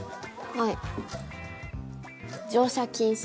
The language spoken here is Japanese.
はい。